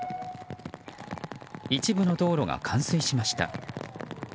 一部の道路が冠水しました。